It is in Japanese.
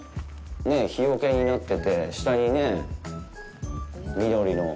日よけになってて、下に緑の。